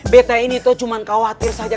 beto ini tuh cuma khawatir saja